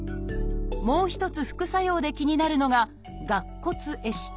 もう一つ副作用で気になるのが「顎骨壊死」。